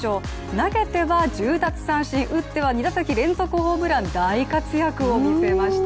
投げては１０奪三振打っては２打席連続ホームラン大活躍を見せました。